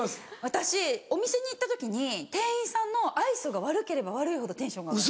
私お店に行った時に店員さんの愛想が悪ければ悪いほどテンションが上がる。